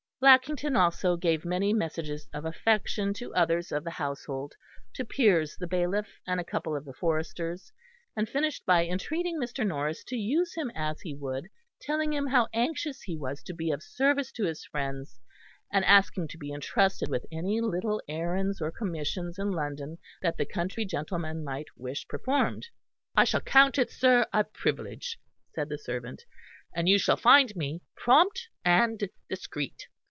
Lackington also gave many messages of affection to others of the household, to Piers the bailiff, and a couple of the foresters: and finished by entreating Mr. Norris to use him as he would, telling him how anxious he was to be of service to his friends, and asking to be entrusted with any little errands or commissions in London that the country gentleman might wish performed. "I shall count it, sir, a privilege," said the servant, "and you shall find me prompt and discreet."